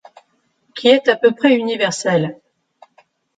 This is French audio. qui est à peu près universelle.